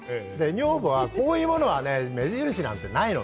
女房は、こういうものはね、目印なんかないの。